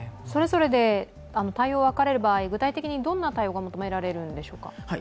それぞれで対応が分かれる場合具体的にどんな対応になるんでしょうか？